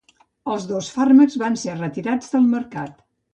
Els dos fàrmacs van ser retirats del mercat.